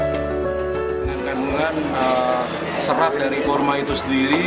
dengan kandungan serat dari kurma itu sendiri